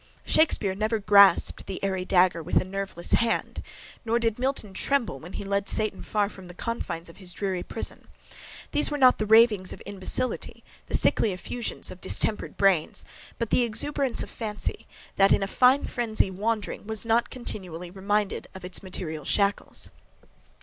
Shakespeare never grasped the airy dagger with a nerveless hand, nor did Milton tremble when he led Satan far from the confines of his dreary prison. These were not the ravings of imbecility, the sickly effusions of distempered brains; but the exuberance of fancy, that "in a fine phrenzy" wandering, was not continually reminded of its material shackles.